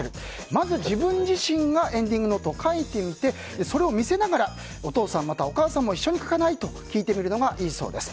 まず自分自身がエンディングノートを書いてみてそれを見せながらお父さん、またはお母さんも一緒に書かない？と聞いてみるのがいいそうです。